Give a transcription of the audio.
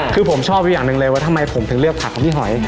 คือผมชอบอยู่อย่างหนึ่งเลยว่าทำไมผมถึงเลือกผักของพี่หอย